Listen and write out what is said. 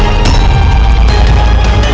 dalam numerous mesej